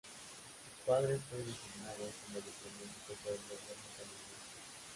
Su padre fue designado como diplomático por el Gobierno Canadiense.